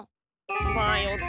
まよった。